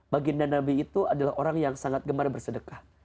baginda nabi itu adalah orang yang sangat gemar bersedekah